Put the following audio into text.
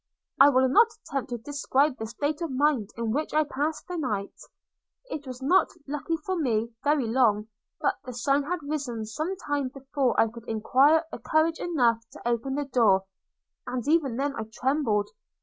I will not attempt to describe the state of mind in which I passed the night. It was not, luckily for me, very long; but the sun had risen some time before I could acquire courage enough to open the door, and even then I trembled.